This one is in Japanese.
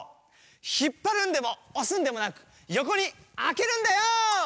ひっぱるんでもおすんでもなくよこにあけるんだよ！